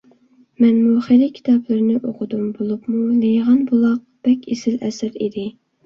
مەنمۇ خېلى كىتابلىرىنى ئوقۇدۇم، بولۇپمۇ «لېيىغان بۇلاق» بەك ئېسىل ئەسەر ئىدى.